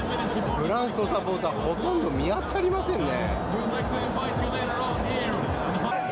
フランスのサポーターはほとんど見当たりませんね。